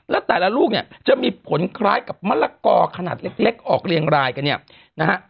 แล้วแต่ละลูกเนี่ยจะมีผลคล้ายกับมะละกอขนาดเล็กออกเรียงรายกันเนี่ยนะฮะ